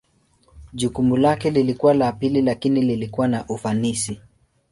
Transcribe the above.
Jukumu lake lilikuwa la pili lakini lilikuwa na ufanisi.